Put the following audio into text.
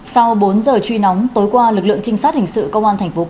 sau bốn giờ truy nóng tối qua lực lượng trinh sát